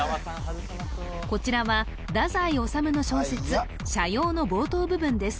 こちらは太宰治の小説「斜陽」の冒頭部分です